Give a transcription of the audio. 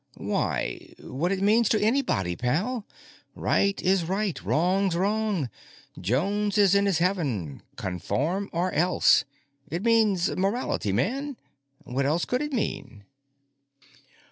"Why, what it means to anybody, pal. Right's right, wrong's wrong, Jones is in his Heaven, conform or else—it means morality, man. What else could it mean?"